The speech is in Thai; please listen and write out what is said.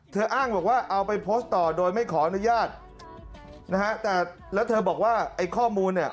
อ้างบอกว่าเอาไปโพสต์ต่อโดยไม่ขออนุญาตนะฮะแต่แล้วเธอบอกว่าไอ้ข้อมูลเนี่ย